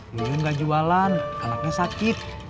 iwan gak jualan anaknya sakit